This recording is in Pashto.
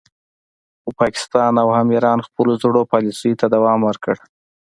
خو پاکستان او هم ایران خپلو زړو پالیسیو ته دوام ورکړ